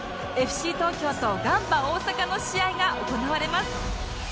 ＦＣ 東京とガンバ大阪の試合が行われます！